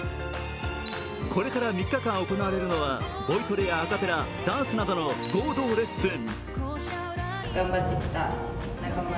これから３日間行われるのは、ボイトレやアカペラ、ダンスなどの合同レッスン。